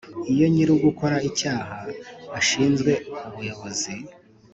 Iyo nyir ugukora icyaha ashinzwe ubuyobozi